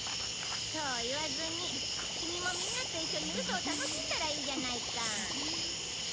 そう言わずにキミもみんなと一緒にウソを楽しんだらいいじゃないか。